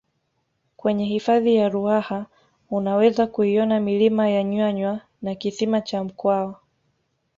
kwenye hifadhi ya ruaha unaweza kuiona milima ya nyanywa na kisima cha mkwawa